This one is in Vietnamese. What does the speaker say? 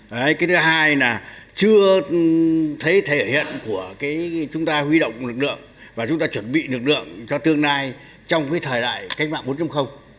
đấy cái thứ hai là chưa thấy thể hiện của cái chúng ta huy động lực lượng và chúng ta chuẩn bị lực lượng cho tương lai trong cái thời đại cách mạng bốn